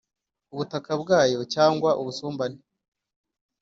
ubutaka bwayo cyangwa ubusumbane